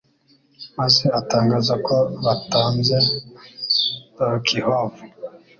maze atangaza ko batanze, Dolokhov